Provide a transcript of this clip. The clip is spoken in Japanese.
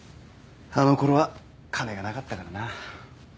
あのころは金がなかったからな。